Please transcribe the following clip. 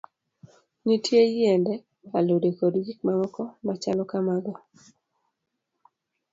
Nitie yiende, alode, kod gik mamoko machalo kamago.